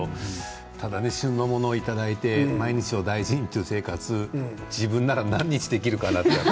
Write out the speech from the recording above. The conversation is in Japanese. ただ旬のものをいただいて毎日を大事にという生活自分なら何日できるかなって。